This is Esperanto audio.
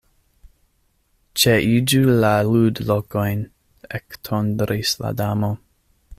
"Ĉeiĝu la ludlokojn," ektondris la Damo.